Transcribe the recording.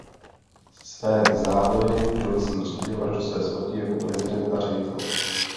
Své závody Johnson řídil až do své smrti jako president a ředitel.